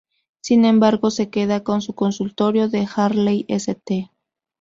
Sin embargo, se queda con su consultorio de Harley St.